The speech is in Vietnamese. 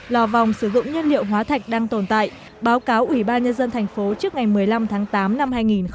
lò vòng sử dụng nhiên liệu hóa thạch đang tồn tại báo cáo ủy ban nhân dân thành phố trước ngày một mươi năm tháng tám năm hai nghìn một mươi chín